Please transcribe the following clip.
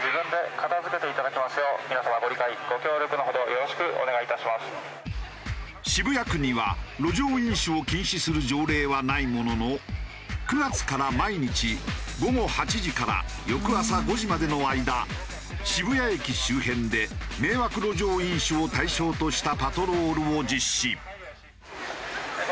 あろう事か酒に酔った者が店の渋谷区には路上飲酒を禁止する条例はないものの９月から毎日午後８時から翌朝５時までの間渋谷駅周辺で迷惑路上飲酒を対象としたパトロールを実施。